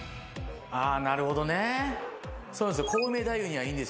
あなるほどね。